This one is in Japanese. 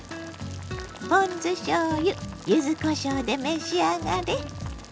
ポン酢しょうゆ柚子こしょうで召し上がれ。